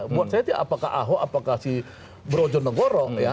buat saya itu apakah ahok apakah si brojonegorok